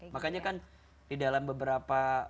makanya kan di dalam beberapa